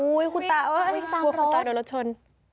อุ๊ยคุณตาวิ่งตามรถโอ้ยคุณตาโดนรถชน